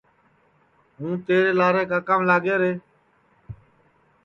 ہوں تیرے لارے کاکام لاگے رے